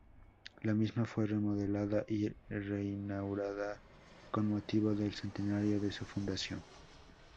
La misma fue remodelada y reinaugurada con motivo del centenario de su fundación.